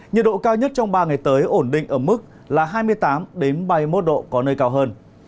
nhiệt độ cao nhất trong ba ngày tới ổn định ở mức là hai mươi tám ba mươi một độ có nơi cao hơn